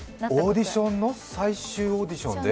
オーディションの最終オーディションで？